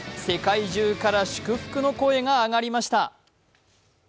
世界中から祝福の声が上がりました。